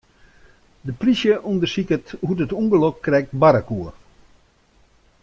De plysje ûndersiket hoe't it ûngelok krekt barre koe.